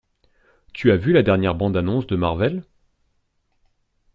Tu as vu la dernière bande annonce de Marvel?